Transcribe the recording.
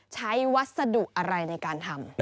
วัสดุอะไรในการทำ